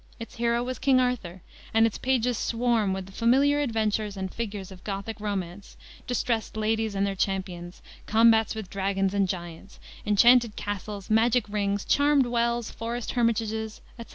Its hero was King Arthur, and its pages swarm with the familiar adventures and figures of Gothic romance; distressed ladies and their champions, combats with dragons and giants, enchanted castles, magic rings, charmed wells, forest hermitages, etc.